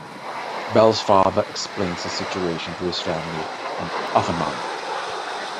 Belle's father explains the situation to his family and Avenant.